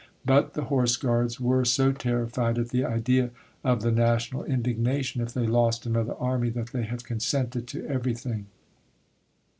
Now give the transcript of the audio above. But the Horse Guards were so terrified at the idea of the national indignation if they lost another army, that they have consented to everything."